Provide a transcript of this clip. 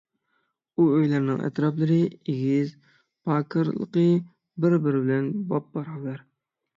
ئۇ ئۆيلەرنىڭ ئەتراپلىرى، ئېگىز - پاكارلىقى بىر - بىرى بىلەن بابباراۋەر.